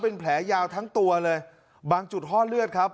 เป็นแผลยาวทั้งตัวเลยบางจุดห้อเลือดครับ